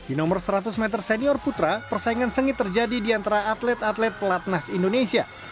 di nomor seratus meter senior putra persaingan sengit terjadi di antara atlet atlet pelatnas indonesia